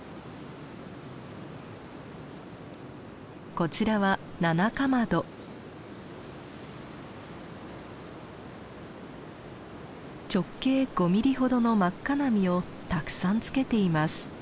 こちらは直径５ミリほどの真っ赤な実をたくさん付けています。